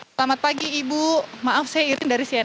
selamat pagi ibu maaf saya irin dari cnn